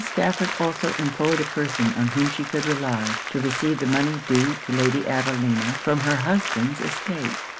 Stafford also employed a person on whom she could rely, to receive the money due to Lady Adelina from her husband's estate.